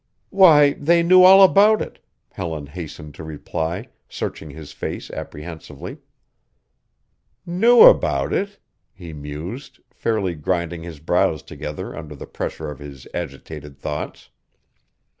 "Why, they knew all about it," Helen hastened to reply, searching his face apprehensively. "Knew about it?" he mused, fairly grinding his brows together under the pressure of his agitated thoughts.